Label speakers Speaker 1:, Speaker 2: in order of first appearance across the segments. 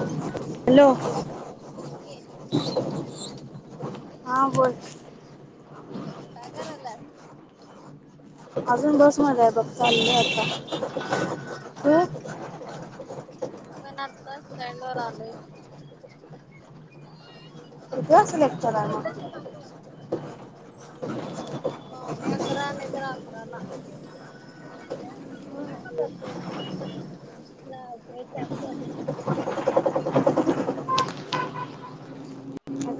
Speaker 1: Hello.
Speaker 2: मुलगी
Speaker 1: हां बोल.
Speaker 2: काय करायलास?
Speaker 1: तुम्हाला काय बघतात चालले आता हो.
Speaker 2: मी पण आताच स्टैंड वर आलोय.
Speaker 1: किती वाजता लेक्चर आहे
Speaker 2: गेल
Speaker 1: मग
Speaker 2: ते माकड. पावने अकरा नाही तर अकराला. ते तर. ना का [unintelligible]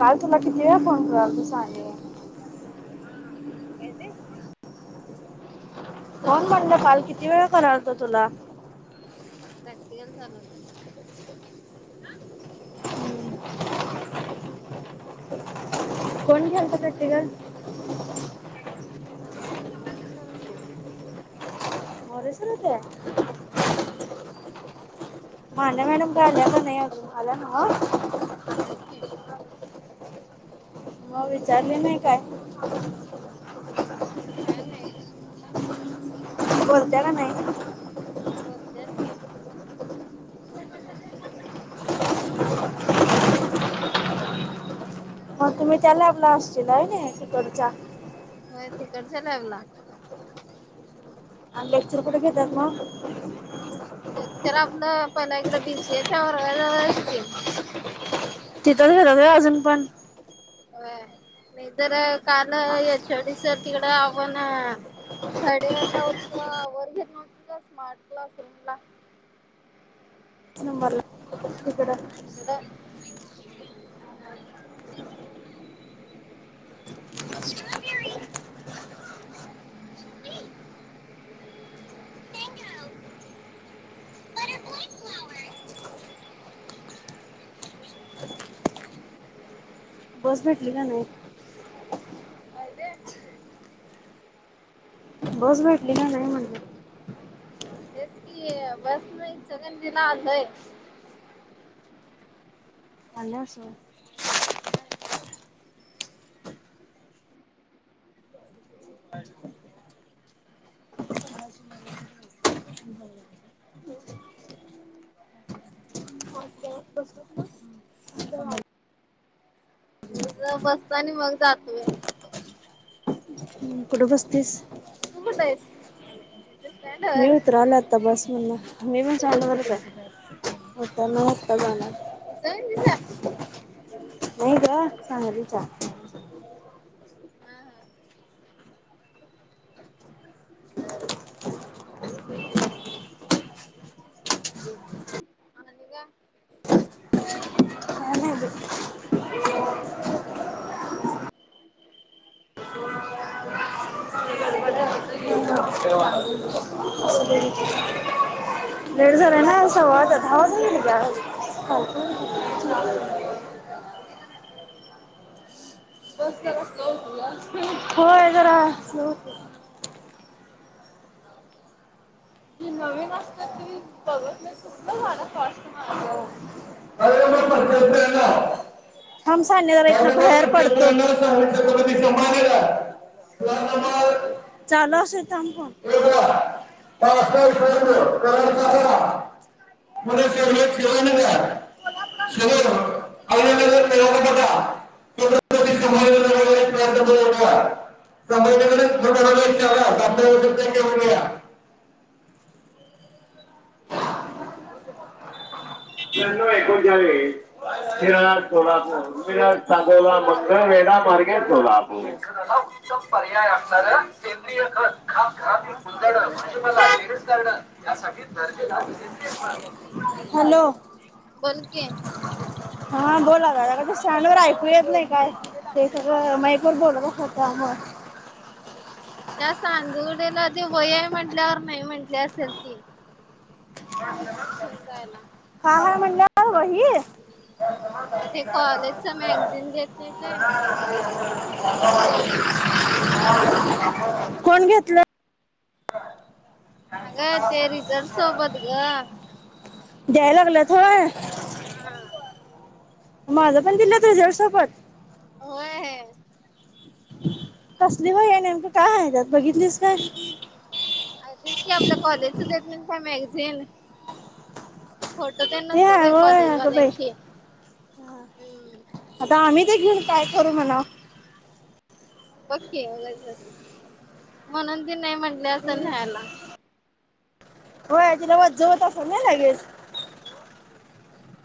Speaker 1: काल तुला किती वेळा फोन करालतो सहाने.
Speaker 2: काय ते
Speaker 1: कोण म्हणले कॉल किती वेळ करातो तुला
Speaker 2: प्रॅक्टिकल चालू होत ह
Speaker 1: कोण खेळतातते का
Speaker 2: ये मोरेसर होते
Speaker 1: मोरेश्वरचं हांय
Speaker 2: हा
Speaker 1: महाल्या मॅडम कां आल्याकि नाही आजूणं आल्यानव
Speaker 2: आल्यात कायं
Speaker 1: मगं विचारले नाहीं कायं
Speaker 2: कांय नाहीं
Speaker 1: बोलत्या की नाहीं
Speaker 2: बोलत्यांत की
Speaker 1: मगं तुम्हीं त्याला आपल्या शिल्याईने तिकडच्या
Speaker 2: हो तिकडच्या लावला
Speaker 1: अ लेक्चर कुठ घेतांत मगं
Speaker 2: लेक्चर आपलं पहिला एककड बीसीएच्या वर्गावर की
Speaker 1: तिथंच फीरत आहे अजूंन पणं
Speaker 2: होय मी तरं काल यांच्यावडीसर तिकडं हवं ना थर्ड इअर ला होतं कां वर्ग घेना होत का स्मार्ट क्लास रूमला
Speaker 1: शंभरला ककड [unintelligible]
Speaker 2: तकडं [unintelligible] [unintelligible]
Speaker 1: बसं भेटली कां नाहीं
Speaker 2: माहितीये?
Speaker 1: बस भेटली की नाहीं म्हणंल
Speaker 2: तेचं की ते बसं नाहीं सगळं दिला आदय
Speaker 1: आंलेअसंल अच्छा ताई
Speaker 2: अ बसतांनी मगं जातोया
Speaker 1: कुठं बस्तीसं
Speaker 2: तु कुठं आहेस स्टँड वर
Speaker 1: मीऊत राणांत आता बस म्हण मी पणं चालूणार आता नता जाणारं
Speaker 2: जाईन तसा
Speaker 1: नाही ग सांगा तच्या
Speaker 2: हा हा आणि काय?
Speaker 1: काय नाही बाई वा जराो क नवीन असल तुम्हीत त झाला स्
Speaker 2: [unintelligible] [unintelligible]
Speaker 1: थाम साणेताई बाहेर पडते [unintelligible] वांग नंबर चालू असेल थांम फोन पा [unintelligible] मणे स शिवा का सगळ [unintelligible] [unintelligible] [unintelligible] व प्रयन कर का सभज [unintelligible] ऐ कोणच्या्या आहे [unintelligible] शिर सोलापूरिर सगोला मकर वेडा मार्गे सोलापूर [unintelligible] पर्याय असंणार सेंद्रीय खत खांत खांत [unintelligible] बुदांड म्हणजिपला टेरिस गार्डन यासाठी दर्जेलाज [unintelligible] हॅलो.
Speaker 2: बोल की.
Speaker 1: हा बोला दा क ते स्टँड वर ऐकू येत नाही काय. ते सगळ माईक वर बोल का सोताम.
Speaker 2: त्या सांदूडयला ते वय म्हटल्यावर, नाही म्हंटली असेल ती.
Speaker 1: ह [unintelligible]
Speaker 2: घेऊन जाय ना.
Speaker 1: हा हा मणल्या अव ही.
Speaker 2: ते कॉलेजच मॅगझिन घेते ते.
Speaker 1: कोण घेतलं.
Speaker 2: अगं ते रिझल्ट सोबत ग.
Speaker 1: द्याय लागलेत होय.
Speaker 2: हा [unintelligible]
Speaker 1: माझा पण दिलं तुझा सोबत.
Speaker 2: होय.
Speaker 1: कसली वहीये. नेमकं काय हाय त्यात. बघितलीस काय?
Speaker 2: अग तेच. की आपल्या कॉलेजच येत नाही का मॅगझिन. फोटो तेन
Speaker 1: ते
Speaker 2: असत्याग
Speaker 1: आहे होय अगं बाई
Speaker 2: कॉलेजवाल्यांचे. हम्म.
Speaker 1: आता आम्ही, ते घेऊन काय कररू म्हणाव.
Speaker 2: बघकी, म्हणून ते नाही म्हटले असेल ना हीयला
Speaker 1: व्हय तिला होत जवच असेलं ना लगेच.
Speaker 2: ह [inaudible]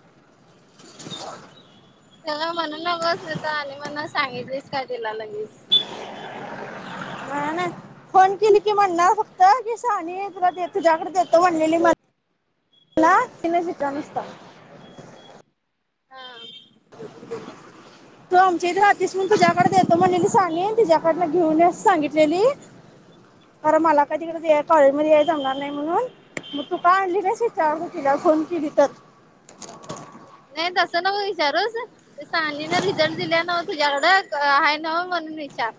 Speaker 2: त्याला म्हणून नगस. नाही त आणि म्हण सांगीतलीस का तिला लगेच.
Speaker 1: नाही नाही फोन केली की म्हणणार फक्त. की शहानी तुला देत तुझ्याकडे देतो म्हणलेली. ह तन चितमस [unintelligible]
Speaker 2: हा.
Speaker 1: तू आमची इथ राहतीस म्हणून तुझ्याकडे देतो म्हणलेली सामी. तीच्याकडन घेऊनयेस सांगितलेली. अर मला काय तिकडे ते कॉलेजमध्ये याय जमणार नाही म्हणून. मग तु का आणली कस चारु तिला फोन केली तर.
Speaker 2: नाही. तसं नव विचारूस. ते सानी ना रिझल्ट दिले नाव तुझ्याकडं. आहे न व म्हणून विचार.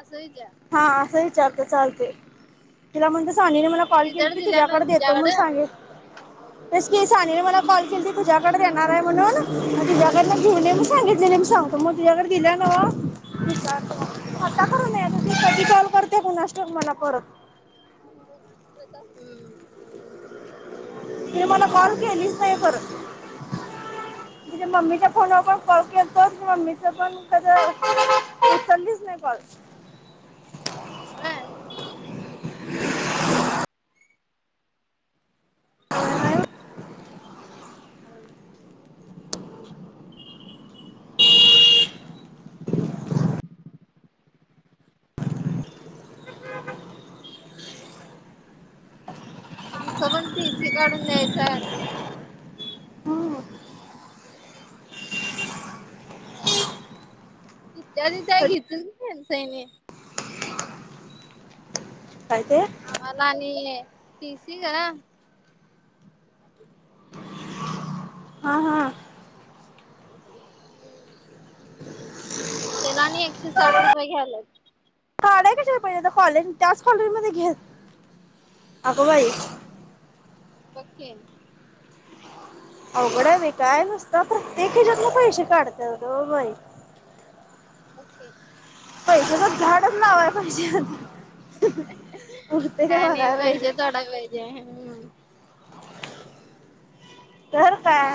Speaker 2: असं विचार.
Speaker 1: हा असं विचारते. चालते. तिला म्हणते सानीने मला कॉल केली
Speaker 2: रिझल्ट
Speaker 1: ती.
Speaker 2: दिल्या
Speaker 1: तुझ्याकड
Speaker 2: नव्ह
Speaker 1: देतो म्हणून
Speaker 2: तुझ्याकडं
Speaker 1: सांगे तेस की. सानीने मला कॉल केलती. तुज्याकडे
Speaker 2: हा
Speaker 1: देणार आहे म्हणून. तिच्याकडं घेऊन ये सांगितले. मी सांगतो. मग तुझ्याकडे दिला नाव. आता करून कधी कॉल करते कुणास ठाउक. मला परत.
Speaker 2: हम्म.
Speaker 1: तीने मला कॉल केलीच नाही परत. तीच्या मम्मीच्या फोन वर कॉल के हो मममीचं पण क ललीच नाही प [inaudible]
Speaker 2: व्हय.
Speaker 1: ह [inaudible]
Speaker 2: आमचं पण, पसी काढून द्यायचंय आता. ह तथल्या तिथे काय
Speaker 1: कधी
Speaker 2: घेतील फेसैने.
Speaker 1: काय ते.
Speaker 2: आम्हाला आणि पीसी ग.
Speaker 1: हा हा.
Speaker 2: हम्म त्याला आणि एकशे साठ रुपये घ्याला.
Speaker 1: कशा पाहिजे कॉलेज त्याच कॉलेज मध्ये घे अगो बाई.
Speaker 2: बग की
Speaker 1: अवघड आहे काय नसत प्रत्येक हच्यात पैसे काढत बाई.
Speaker 2: बकी
Speaker 1: पैशाच झाडच लावायला पाहिजे आता उरते का
Speaker 2: ह नाही
Speaker 1: बघाय पाहिजे
Speaker 2: पैसे थोडाच पाहिजे.
Speaker 1: तर काय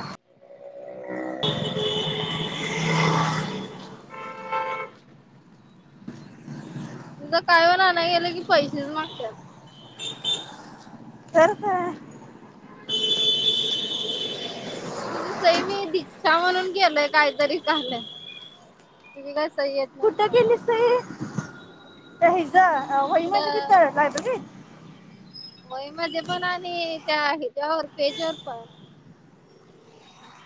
Speaker 1: [unintelligible] [unintelligible]
Speaker 2: हो [unintelligible] तिथं काय पण आणायला गेलं की पैसेच मागतात.
Speaker 1: करर का.
Speaker 2: तुझी सई मी दीक्षा म्हणून केलय, काहीतरी काल तुझी काय सई आहे.
Speaker 1: कुठं केलीस सही हिज वही मध्ये
Speaker 2: तिकडं
Speaker 1: तिथं लायब्ररी
Speaker 2: वई मध्ये पण आणि त्या आहे त्या पेज वर पण.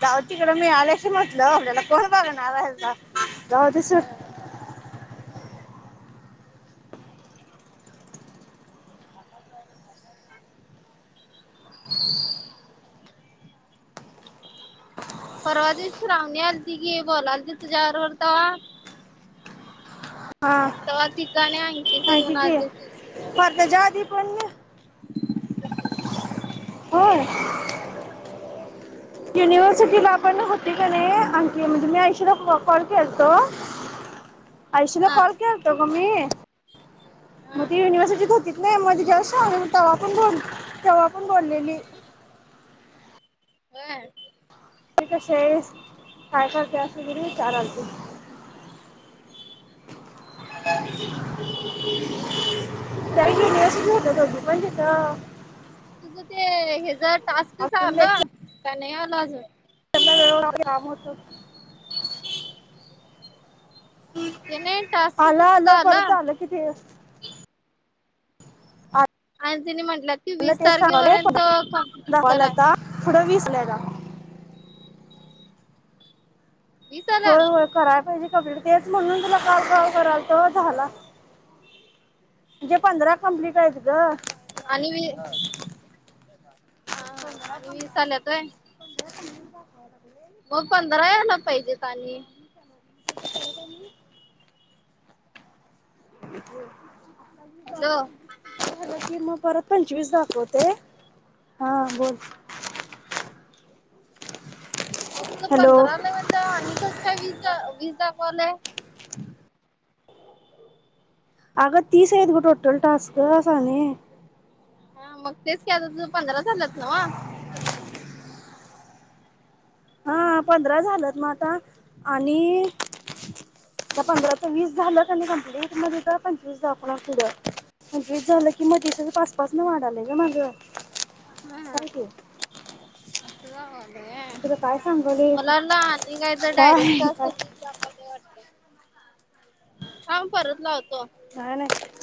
Speaker 1: जाऊदे तिकडं मीळाल्याशी मतलब, आपल्याला कोण बघणार आहे जाऊदे सोड
Speaker 2: होय परवा दिवशी श्रावणी आलती की बोललती तुझ्याबरोबर तवा
Speaker 1: हा
Speaker 2: तर तिकाणी आहे.
Speaker 1: माहिती की परताच्या आधी पण. हो.
Speaker 2: काय?
Speaker 1: युनिव्हर्सिटीला आपण होती का नाही अंकी म्हणजे मी आयेशी कॉल केतो. ऐशली
Speaker 2: हा
Speaker 1: कॉल केतो ग मी मग
Speaker 2: हा
Speaker 1: त युनिव्हर्सिटीत होती. नाही मध्ये ज्यास् सग तेव्हा पण बोल तेव्हा पण बोललेली.
Speaker 2: होय
Speaker 1: ठीक काय करत अस घ चार आते.
Speaker 2: हा हा
Speaker 1: काही ग नाही अं होत दघ पण तेत.
Speaker 2: तुझं ते हचा टास्कच
Speaker 1: अजून
Speaker 2: आलं
Speaker 1: लेक्चरला
Speaker 2: का नाही आलं अजून.
Speaker 1: वेळेवर काम होत.
Speaker 2: ते नाही टास्कच
Speaker 1: आला
Speaker 2: तुझं
Speaker 1: आलं परत आलं किथ.
Speaker 2: आणि तिने म्हटलं ती
Speaker 1: आलं
Speaker 2: वीस
Speaker 1: ते
Speaker 2: तारखेपर्यंत कम्प्लीट करा.
Speaker 1: पुढ विसलेला.
Speaker 2: वीस आल्यात
Speaker 1: होय होय कराय पाहिजे, कंप्लीट तेच म्हणून तुला काव काव कराल त झाला. म्हणजे पंधरा कं्प्लीट आहेत ग.
Speaker 2: आणि वी हा हा आणि वीस आल्यातय
Speaker 1: ण मुंद का आहे
Speaker 2: मग पंधरा याला पाहिजेतनी
Speaker 1: [inaudible]
Speaker 2: हॅलो
Speaker 1: [inaudible] की मग परत पंचवीस दाखवते हा बोल
Speaker 2: मग तुझ
Speaker 1: हॅलो
Speaker 2: पंधराला म्हणजा आणि कस काय वीस वीस दाखवालंय
Speaker 1: अगं तीस य आहेतत ग टोटल टास्क असा न
Speaker 2: हा मग तेच का आता त पंधरा झालात ना वा.
Speaker 1: हां पंधरा झालंत मग आता आणि. पंधराचं वीस झालं कप्लीट मध्ये का पंचवीस जा पुड. म्हणजे झालं की मध्ये पाच पाच म वाढाले का माझ्यावर.
Speaker 2: हा अस आहे.
Speaker 1: तुला काय सांगाले
Speaker 2: मला ना आणि काय तर डायरेक्ट सर्स जय वाट. थांब परत लावतो
Speaker 1: नाही नाही.